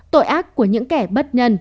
tội ác của những kẻ bất nhân